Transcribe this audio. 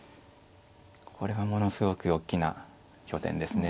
これはものすごく大きな拠点ですね。